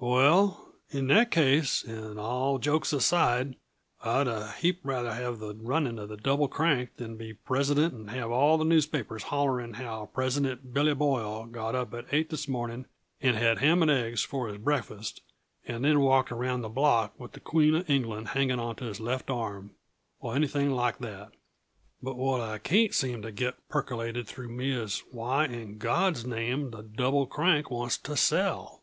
"Well, in that case, and all jokes aside, I'd a heap rather have the running uh the Double Crank than be President and have all the newspapers hollering how 'President Billy Boyle got up at eight this morning and had ham and eggs for his breakfast, and then walked around the block with the Queen uh England hanging onto his left arm,' or anything like that But what I can't seem to get percolated through me is why, in God's name, the Double Crank wants to sell."